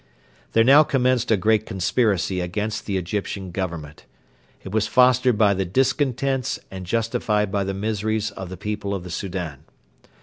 There now commenced a great conspiracy against the Egyptian Government. It was fostered by the discontents and justified by the miseries of the people of the Soudan.